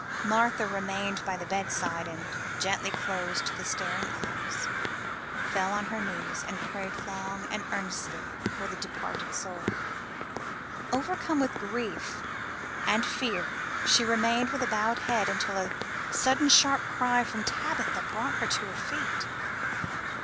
Martha remained by the bedside, and gently closing the staring eyes, fell on her knees, and prayed long and earnestly for the departed soul. Overcome with grief and fear she remained with bowed head until a sudden sharp cry from Tabitha brought her to her feet.